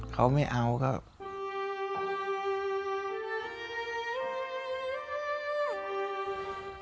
เขาไม่เอาครับ